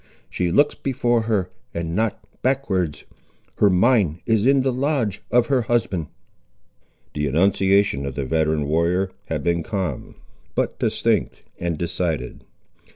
She looks before her and not backwards. Her mind is in the lodge of her husband." The enunciation of the veteran warrior had been calm, but distinct, and decided.